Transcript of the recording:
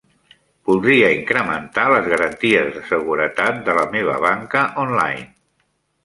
Voldria incrementar les garanties de seguretat de la meva banca online.